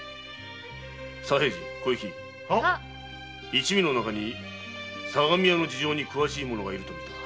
一味の中に相模屋の事情に詳しい者がいるとみた。